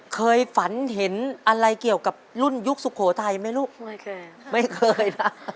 เคยฝันเห็นอะไรเกี่ยวกับรุ่นยุคสุโขทัยไหมลูกไม่เคยไม่เคยนะ